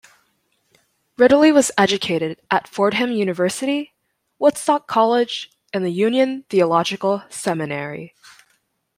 Ridley was educated at Fordham University, Woodstock College and the Union Theological Seminary.